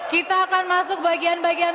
kita akan masuk bagian bagian